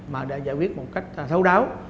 mà đã giải quyết một cách thấu đáo